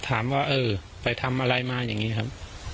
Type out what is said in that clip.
ถามว่าเออไปทำอะไรมาอย่างนี้ครับ